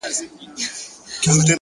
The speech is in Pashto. o سیاه پوسي ده، ستا غمِستان دی،